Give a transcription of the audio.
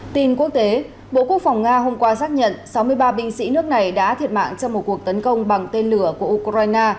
tin quốc tế bộ quốc phòng nga hôm qua xác nhận sáu mươi ba binh sĩ nước này đã thiệt mạng trong một cuộc tấn công bằng tên lửa của ukraine